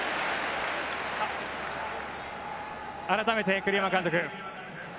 改めて栗山監督。